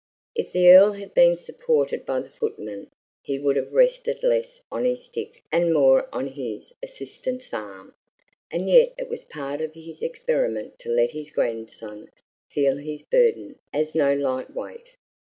If the Earl had been supported by the footman he would have rested less on his stick and more on his assistant's arm. And yet it was part of his experiment to let his grandson feel his burden as no light weight.